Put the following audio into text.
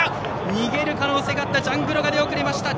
逃げる可能性があったジャングロが出遅れました。